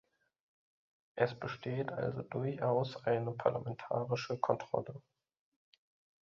Es besteht also durchaus eine parlamentarische Kontrolle.